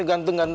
eh water angkat